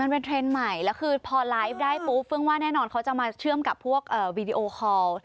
เป็นเทรนด์ใหม่แล้วคือพอไลฟ์ได้ปุ๊บเฟื่องว่าแน่นอนเขาจะมาเชื่อมกับพวกวีดีโอคอล